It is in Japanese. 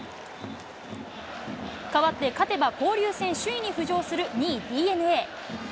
変わって、勝てば交流戦首位に浮上する２位ＤｅＮＡ。